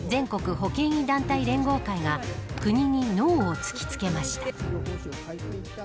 保険医団体連合会が国にノーをつき付けました。